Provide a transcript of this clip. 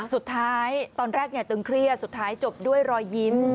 สุดท้ายตอนแรกตึงเครียดสุดท้ายจบด้วยรอยยิ้ม